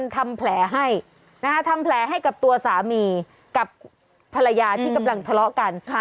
ทำแผลให้กับตัวสามีกับภรรยาที่กำลังทะเลาะกันค่ะ